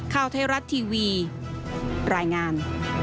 ข่าวไทยรัฐทีวีรายงาน